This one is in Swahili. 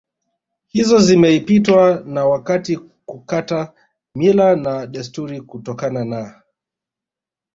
hizo zimepitwa na wakati kukataa mila na desturi kutokana na